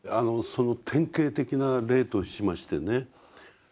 その典型的な例としましてね